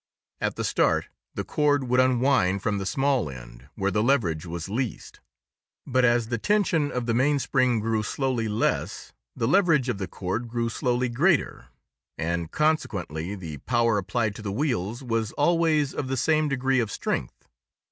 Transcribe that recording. At the start, the cord would unwind from the small end where the leverage was least, but as the tension of the mainspring grew slowly less, the leverage of the cord grew slowly greater and, consequently, the power applied to the wheels was always of the same degree of strength.